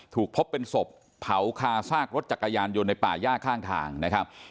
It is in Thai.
ถูกพบเป็นศพเผาคาซากรถจักรยานยนต์ในป่าย่าข้างทางนะครับ